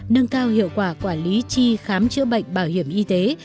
nâng cao hiệu quả quản lý chi khám chữa bệnh bảo hiểm y tế